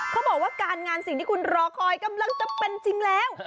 เขาบอกว่าการงานสิ่งที่คุณรอคอยกำลังจะเป็นจริงแล้ว